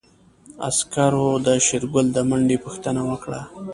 عسکرو د شېرګل د منډې پوښتنه وکړه.